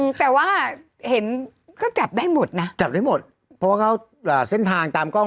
แต่ว่าเห็นก็จับได้หมดนะจับได้หมดเพราะว่าเขาอ่าเส้นทางตามกล้อง